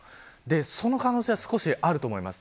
その可能性は少しあると思います。